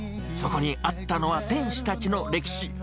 そこにあったのは店主たちの歴史。